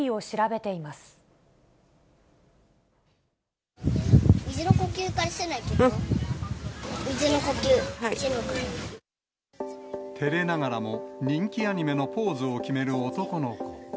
てれながらも、人気アニメのポーズを決める男の子。